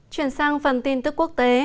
chuyển sang phần tin tức quốc tế